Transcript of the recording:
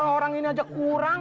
orang ini aja kurang